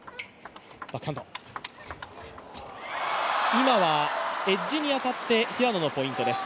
今はエッジに当たって平野のポイントです。